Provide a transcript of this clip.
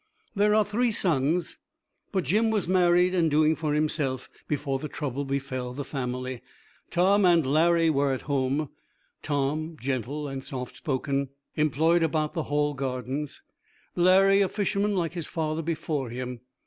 There are three sons, but Jim was married and doing for himself before the trouble befell the family. Tom and Larry were at home, Tom, gentle and slow spoken, employed about the Hall gardens. Larry, a fisherman like his father before him.